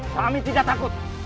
kami tidak takut